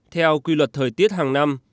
theo quy luật thời tiết hàng năm